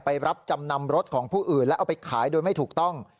รับจำนำรถของผู้อื่นแล้วเอาไปขายโดยไม่ถูกต้อง